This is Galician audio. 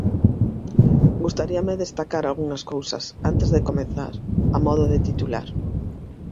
Gustaríame destacar algunhas cousas, antes de comezar, a modo de titular.